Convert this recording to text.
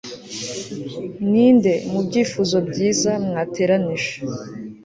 ninde, mubyifuzo byiza, mwateranije